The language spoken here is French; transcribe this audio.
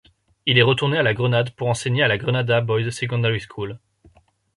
Il est retourné à la Grenade pour enseigner à la Grenada Boys' Secondary School.